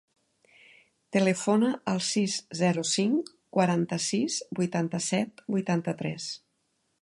Telefona al sis, zero, cinc, quaranta-sis, vuitanta-set, vuitanta-tres.